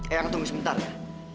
eang tunggu sebentar ya